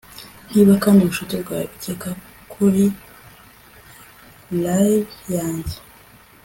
niba kandi ubucuti bwawe bukeka kuri lyre yanjye